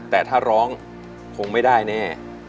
แต่ถ้าร้องคงไม่ได้แน่